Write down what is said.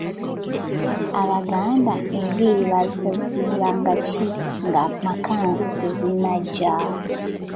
Abaganda enviiri baazisazisanga ki nga makansi tezinajja?